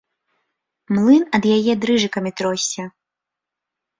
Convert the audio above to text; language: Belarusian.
Млын ад яе дрыжыкамі тросся.